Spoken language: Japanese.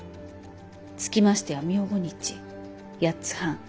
つきましては明後日八ツ半大